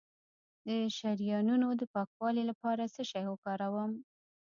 د شریانونو د پاکوالي لپاره څه شی وکاروم؟